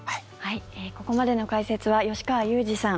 ここまでの解説は吉川祐二さん